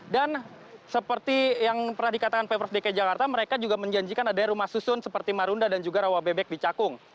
dan seperti yang pernah dikatakan pemprov dki jakarta mereka juga menjanjikan adanya rumah susun seperti marunda dan juga rawa bebek di cakung